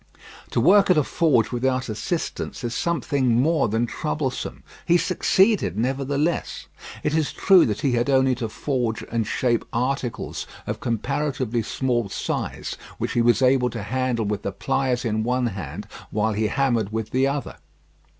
To work at a forge without assistance is something more than troublesome. He succeeded nevertheless. It is true that he had only to forge and shape articles of comparatively small size, which he was able to handle with the pliers in one hand, while he hammered with the other.